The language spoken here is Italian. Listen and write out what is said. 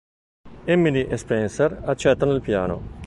Emily e Spencer accettano il piano.